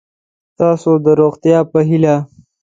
ستاسو د روغتیا په هیله